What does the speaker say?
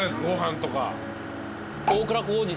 ご飯とか。